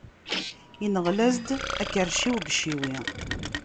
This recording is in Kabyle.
Inɣel-as-d, akerciw deg iciwi.